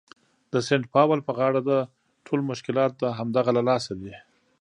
د سینټ پاول په غاړه ده، ټول مشکلات د همدغه له لاسه دي.